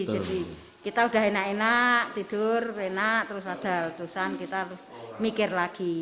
jadi kita udah enak enak tidur enak terus ada letusan kita harus mikir lagi